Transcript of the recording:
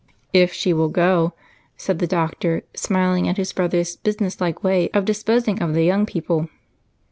"If she will go," said the doctor, smiling at his brother's businesslike way of disposing of the young people.